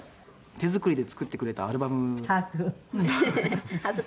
「手作りで作ってくれたアルバム」「“たあーくん”」